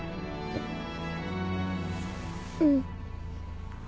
うん。